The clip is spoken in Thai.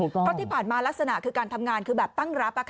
เพราะที่ผ่านมาลักษณะคือการทำงานคือแบบตั้งรับ